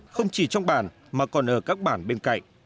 không chỉ trong bản mà còn ở các bản bên cạnh